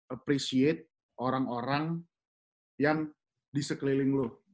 appreciate orang orang yang di sekeliling lo